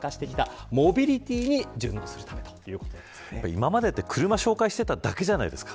今までは車を紹介していただけじゃないですか。